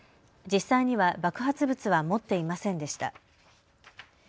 実際には爆発物は持っていませんでした。